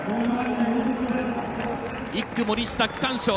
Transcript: １区、森下区間賞。